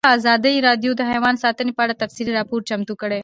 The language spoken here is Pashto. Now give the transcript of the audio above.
ازادي راډیو د حیوان ساتنه په اړه تفصیلي راپور چمتو کړی.